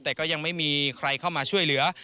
แต่ก็ยังไม่มีใครเข้ามาช่วยเหลือ